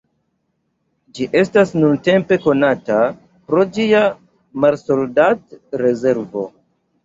Ĝi estas nuntempe konata pro ĝia marsoldat-rezervo.